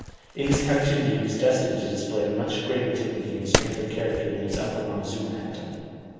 In his captivity he was destined to display much greater dignity and strength of character than his uncle Montezuma had done.